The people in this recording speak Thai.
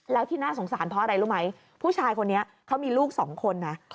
แล้วที่น่าสงสารเพราะอะไรรู้ไหมผู้ชายคนนี้เขามีลูกสองคนนะ